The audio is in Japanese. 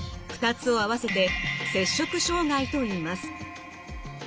２つを合わせて摂食障害といいます。